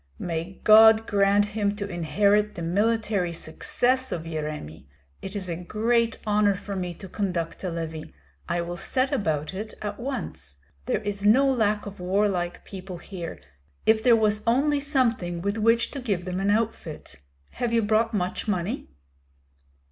"May God grant him to inherit the military success of Yeremi! It is a great honor for me to conduct a levy. I will set about it at once. There is no lack of warlike people here, if there was only something with which to give them an outfit. Have you brought much money?"